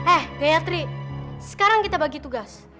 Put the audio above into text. eh gayatri sekarang kita bagi tugas